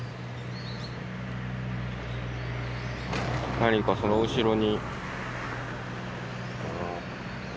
何かその後ろに。